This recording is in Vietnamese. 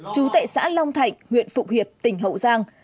chú tệ xã long thạnh huyện phụ hiệp tỉnh hậu giang